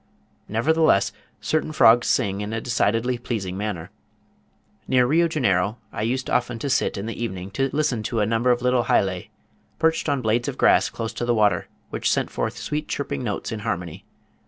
Nevertheless, certain frogs sing in a decidedly pleasing manner. Near Rio Janeiro I used often to sit in the evening to listen to a number of little Hylae, perched on blades of grass close to the water, which sent forth sweet chirping notes in harmony.